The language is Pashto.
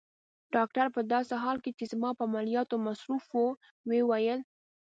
ډاکټر په داسې حال کې چي زما په عملیاتو مصروف وو وویل.